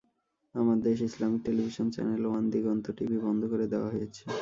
আমার Desh, Islamic television, channel one, Diganta TV বন্ধ করে দেওয়া হয়েছে।